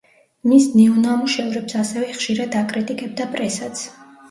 მის ნიუ ნამუშევრებს ასევე ხშირად აკრიტიკებდა პრესაც.